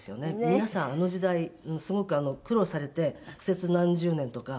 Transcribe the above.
皆さんあの時代すごく苦労されて苦節何十年とか。